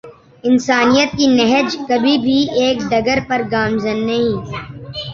انسانیت کی نہج کبھی بھی ایک ڈگر پر گامزن نہیں